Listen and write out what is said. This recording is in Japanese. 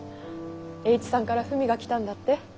栄一さんから文が来たんだって。